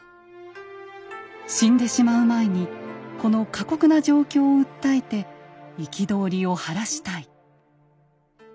死んでしまう前にこの過酷な状況を訴えて憤りを晴らしたい。